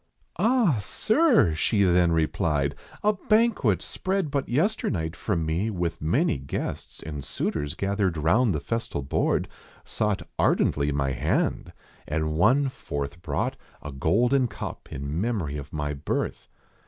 Ah. sir !" she then replied : "A banquet spread But yesternight for me with many guests And suitors gathered round the festal board Sought ardently my hand ; and one forth brought A golden cup in memory of my birth.